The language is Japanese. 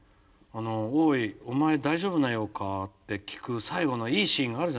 「おいお前大丈夫なようか？」って聞く最後のいいシーンあるじゃない？